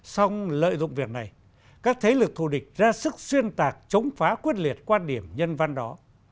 xong lợi dụng việc này các thế lực thù địch ra sức xuyên tạc chống phá quyết liệt quan điểm nhân văn đó